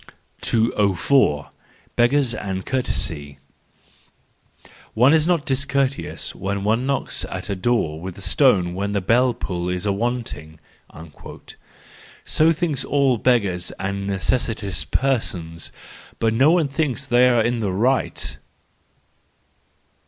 204. Beggars and Courtesy .—" One is not discourteous when one knocks at a door with a stone when the bell pull is awanting"—so think all beggars and necessitous persons, but no one thinks they are in the right.